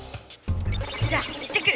じゃあ行ってくる！